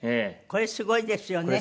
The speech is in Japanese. これすごいですよね。